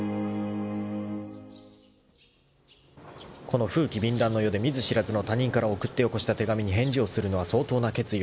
［この風紀紊乱の世で見ず知らずの他人から送ってよこした手紙に返事をするのは相当な決意を必要とする。